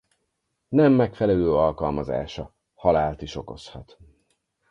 Nem megfelelő alkalmazása halált is okozhat.